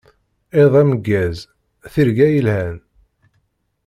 Iḍ ameggaz, tirga yelhan.